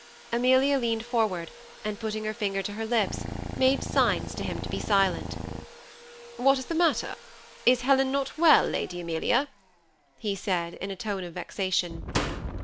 Amelia leaned forward, and putting her finger to her lips, made signs to him to be silent. ''What is the matter? Is Helen not well. Lady Amelia?" he said, in a tone of vexation.